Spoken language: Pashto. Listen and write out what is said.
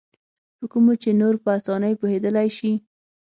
په کومو چې نور په اسانۍ پوهېدلای شي.